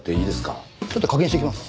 ちょっと確認してきます。